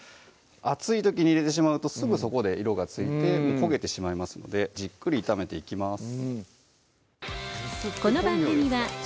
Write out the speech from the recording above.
熱い時に入れてしまうとすぐそこで色がついて焦げてしまいますのでじっくり炒めていきます